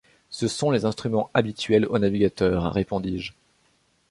Ce sont les instruments habituels au navigateur, répondis-je